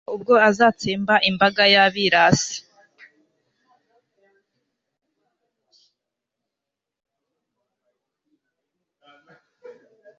kugeza ubwo azatsemba imbaga y'abirasi